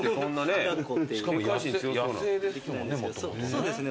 そうですね